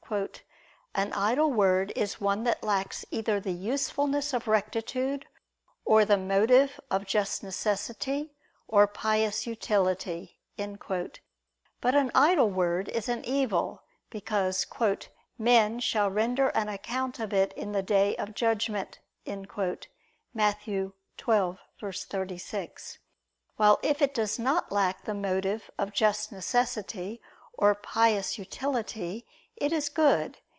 "An idle word is one that lacks either the usefulness of rectitude or the motive of just necessity or pious utility." But an idle word is an evil, because "men ... shall render an account of it in the day of judgment" (Matt. 12:36): while if it does not lack the motive of just necessity or pious utility, it is good.